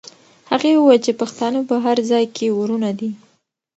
هغې وویل چې پښتانه په هر ځای کې وروڼه دي.